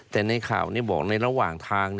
แต่ในข่าวบอกในระหว่างทาง